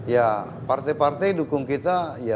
ya partai partai dukung kita ya tentu harus ada nilai plus